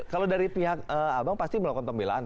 kalau dari pihak abang pasti melakukan pembelaan